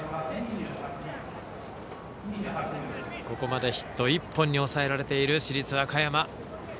ここまでヒット１本に抑えられている市立和歌山。